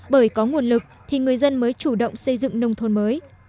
bởi có nguồn lực thì người dân mới chủ động xây dựng nông thôn mới